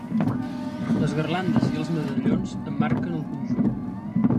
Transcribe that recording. Les garlandes i els medallons emmarquen el conjunt.